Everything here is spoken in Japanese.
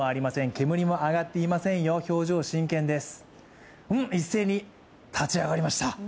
煙も上がっていませんよ、表情真剣です。